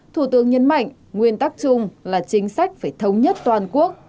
thủ tướng nhấn mạnh nguyên tắc chung là chính sách phải thống nhất toàn quốc